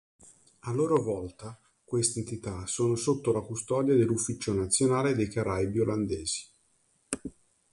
A loro volta, queste entità sono sotto la custodia dell'Ufficio Nazionale dei Caraibi Olandesi.